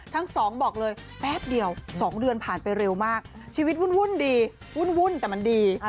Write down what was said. ทั้งสองบอกเลยแป๊บเดียว๒เดือนผ่านไปเร็วมากชีวิตวุ่นดีวุ่นแต่มันดี